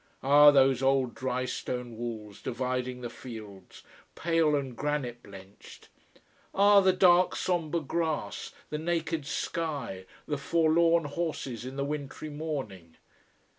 Ah, those old, drystone walls dividing the fields pale and granite blenched! Ah, the dark, sombre grass, the naked sky! the forlorn horses in the wintry morning!